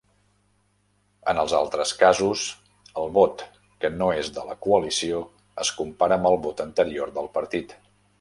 En els altres casos, el vot que no és de la coalició es compara amb el vot anterior del partit.